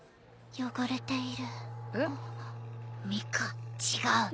汚れている。